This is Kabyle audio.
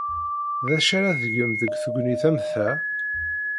D acu ara tgem deg tegnit am ta?